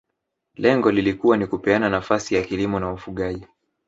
Lengo lilikuwa ni kupeana nafasi ya kilimo na ufugaji